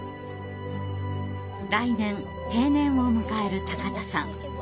来年定年を迎える高田さん。